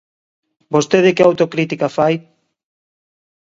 ¿Vostede que autocrítica fai?